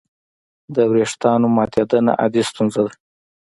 د وېښتیانو ماتېدنه عادي ستونزه ده.